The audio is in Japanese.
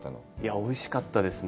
おいしかったですね。